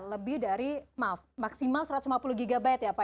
lebih dari maaf maksimal satu ratus lima puluh gb ya pak